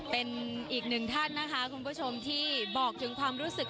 เป็นอีกหนึ่งท่านนะคะคุณผู้ชมที่บอกถึงความรู้สึก